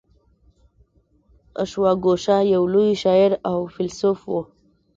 اشواګوشا یو لوی شاعر او فیلسوف و